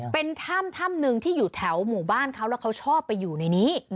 เป็นถ้ำถ้ำหนึ่งที่อยู่แถวหมู่บ้านเขาแล้วเขาชอบไปอยู่ในนี้